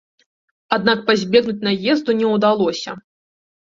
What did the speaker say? Аднак пазбегнуць наезду не ўдалося.